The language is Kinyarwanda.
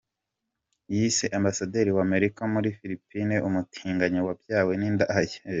Yise ambasaderi wa Amerika muri Philippines “umutinganyi wabyawe n’indaya”.